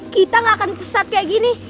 kita gak akan sesat kayak gini